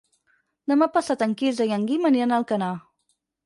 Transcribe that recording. Demà passat en Quirze i en Guim aniran a Alcanar.